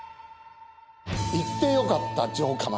行って良かった城下町。